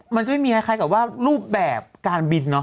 มันจะไม่มีคล้ายกับว่ารูปแบบการบินเนาะ